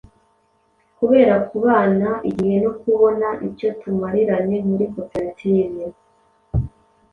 Kubera kubana igihe no kubona icyo tumariranye muri koperative,